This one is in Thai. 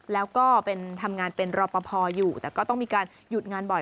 แล้วก็เป็นทำงานเป็นรอปภอยู่แต่ก็ต้องมีการหยุดงานบ่อย